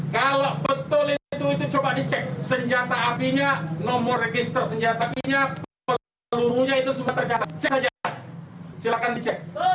kalau betul itu coba dicek senjata apinya nomor register senjata apinya seluruhnya itu sudah tercatat cek saja silakan dicek